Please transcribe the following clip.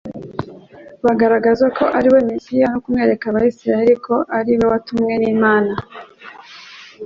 bugaragaza ko ari we Mesiya no kumwereka Abasiraeli ko ari we watumwe n'Imana.